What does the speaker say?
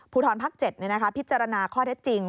ภูทรภักดิ์๗พิจารณาข้อเท็จจริง